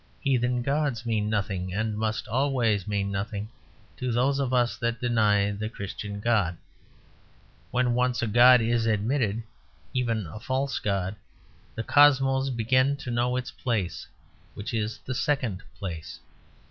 Heathen gods mean nothing, and must always mean nothing, to those of us that deny the Christian God. When once a god is admitted, even a false god, the Cosmos begins to know its place: which is the second place.